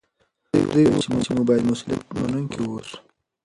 دوی وویل چې موږ باید مسوولیت منونکي اوسو.